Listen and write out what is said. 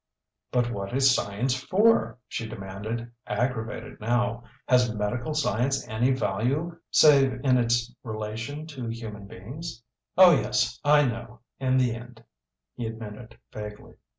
"But what is science for?" she demanded, aggravated now. "Has medical science any value save in its relation to human beings?" "Oh yes, I know in the end," he admitted vaguely.